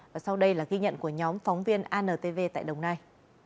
và sau đây là ghi nhận của nhóm phóng viên antv tại đồng nai